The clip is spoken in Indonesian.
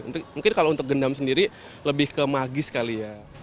mungkin kalau untuk gendam sendiri lebih ke magis kali ya